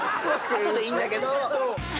後でいいんだけど。